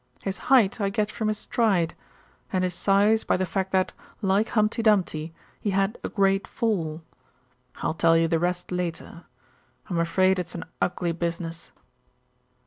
His height I get from his stride, and his size by the fact that, like Humpty Dumpty, he had a great fall. I'll tell you the rest later. I'm afraid it's an ugly business."